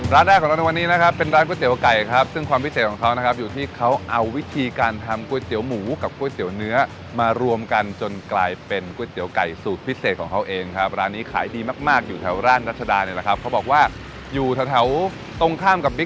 ร้านแรกของเราในวันนี้นะครับเป็นร้านก๋วยเตี๋ยวไก่ครับซึ่งความพิเศษของเขานะครับอยู่ที่เขาเอาวิธีการทำก๋วยเตี๋ยวหมูกับก๋วยเตี๋ยวเนื้อมารวมกันจนกลายเป็นก๋วยเตี๋ยวไก่สูตรพิเศษของเขาเองครับร้านนี้ขายดีมากมากอยู่แถวราชดาเนี่ยแหละครับเขาบอกว่าอยู่แถวตรงข้ามกับบิ๊ก